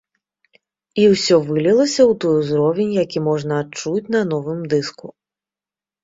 І ўсё вылілася ў той узровень, які можна адчуць на новым дыску.